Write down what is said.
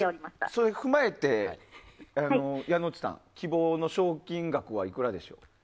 それを踏まえてやんのっちさん、希望の賞金額はいくらでしょう。